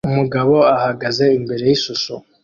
Umugabo ahagaze imbere yishusho